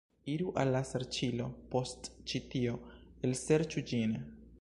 Iru al la serĉilo, post ĉi tio, elserĉu ĝin